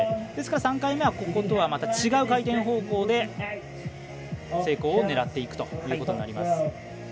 ですから３回目はこことは違う回転方向で成功を狙っていくということになります。